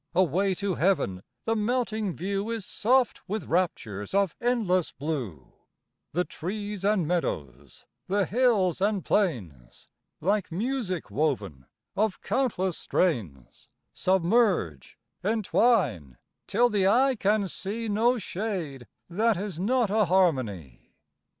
Away to Heaven the melting view Is soft with raptures of endless blue; The trees and meadows, the hills and plains, Like music woven of countless strains Submerge, entwine, till the eye can see No shade that is not a harmony.